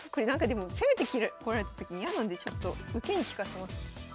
攻めてこられたときに嫌なんで受けに利かします。